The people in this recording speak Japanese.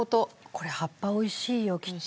これ葉っぱおいしいよきっと。